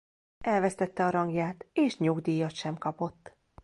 Elvesztette a rangját és nyugdíjat sem kapott.